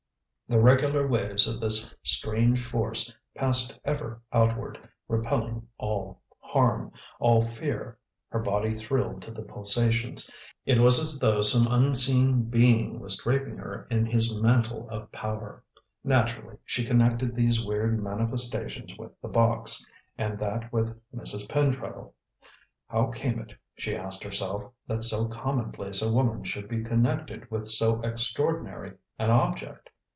The regular waves of this strange force passed ever outward, repelling all harm, all fear; her body thrilled to the pulsations. It was as though some unseen being was draping her in his mantle of power. Naturally she connected these weird manifestations with the box, and that with Mrs. Pentreddle. How came it, she asked herself, that so commonplace a woman should be connected with so extraordinary an object?